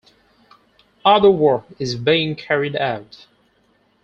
Other work is being carried out.